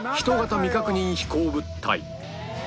未確認飛行物体